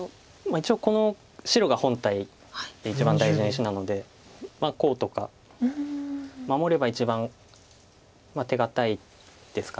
一応この白が本体で一番大事な石なのでこうとか守れば一番手堅いですか。